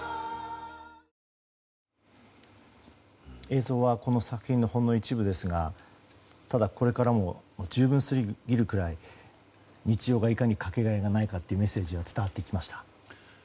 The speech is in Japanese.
映像はこの作品のほんの一部ですがただ、これからも十分すぎるくらい日常が、いかにかけがえのないかというメッセージが伝わってきました。